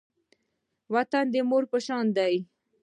وطن د مور په شان دی